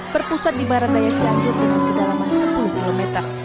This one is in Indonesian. berpusat di barat daya cianjur dengan kedalaman sepuluh km